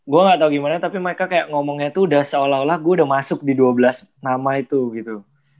gue gak tau gimana tapi mereka kayak ngomongnya tuh udah seolah olah gue udah masuk di dua belas nama itu gitu